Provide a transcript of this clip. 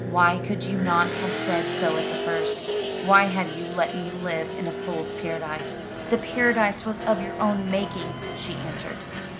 "Why could you not have said so at the first; why have you let me live in a fool's paradise?" "The paradise was of your own making," she answered.